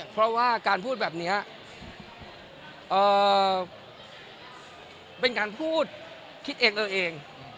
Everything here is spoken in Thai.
เพราะว่าการพูดแบบนี้เป็นการพูดคิดเองเออเอง